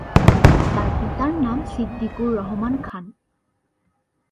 তার পিতার নাম সিদ্দিকুর রহমান খান।